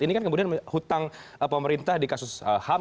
ini kan kemudian hutang pemerintah di kasus ham